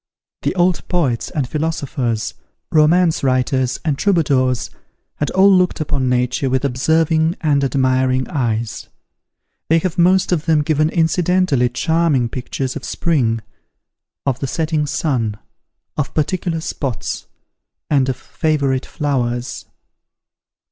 The old poets and philosophers, romance writers, and troubadours, had all looked upon Nature with observing and admiring eyes. They have most of them given incidentally charming pictures of spring, of the setting sun, of particular spots, and of favourite flowers.